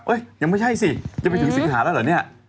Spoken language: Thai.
ยังไม่ใช่สิจะไปถึงสิงหาแล้วเหรอเนี่ย